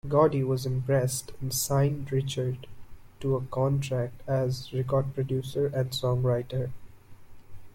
Gordy was impressed, and signed Richards to a contract as record producer and songwriter.